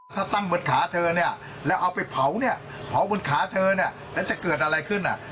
ถ้าตั้งบนขาเธอแล้วเอาไปเผาเผาบนขาเธอแล้วจะเกิดอะไรขึ้นน่ะ